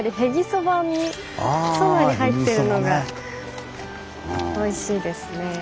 そばに入ってるのがおいしいですねぇ。